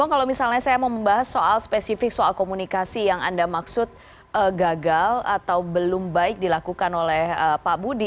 kalau misalnya saya mau membahas soal spesifik soal komunikasi yang anda maksud gagal atau belum baik dilakukan oleh pak budi